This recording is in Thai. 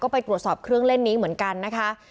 ไปตรวจสอบเครื่องเล่นนี้เหมือนกันนะคะ